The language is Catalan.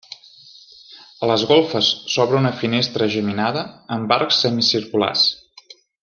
A les golfes s'obre una finestra geminada amb arcs semicirculars.